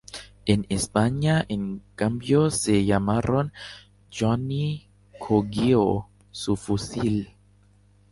En España en cambio se llamaron "Johnny cogió su fusil".